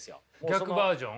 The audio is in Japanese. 逆バージョン。